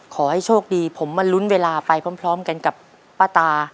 ขอให้โชคดีผมมาลุ้นเวลาไปพร้อมกันกับป้าตา